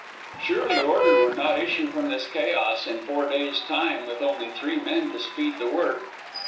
Surely order would not issue from this chaos in four days' time with only three men to speed the work.